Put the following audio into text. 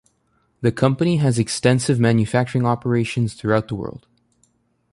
The company has extensive manufacturing operations throughout the world.